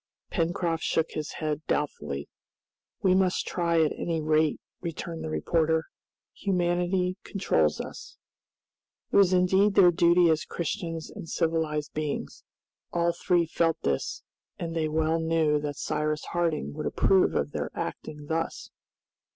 Pencroft shook his head doubtfully. "We must try at any rate," returned the reporter; "humanity commands us." It was indeed their duty as Christians and civilized beings. All three felt this, and they well knew that Cyrus Harding would approve of their acting thus.